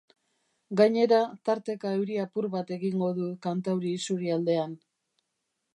Gainera tarteka euri apur bat egingo du kantauri isurialdean.